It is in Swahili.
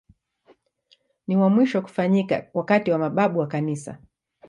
Ni wa mwisho kufanyika wakati wa mababu wa Kanisa.